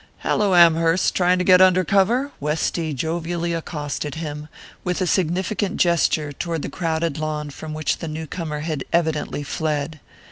"Hallo, Amherst trying to get under cover?" Westy jovially accosted him, with a significant gesture toward the crowded lawn from which the new comer had evidently fled.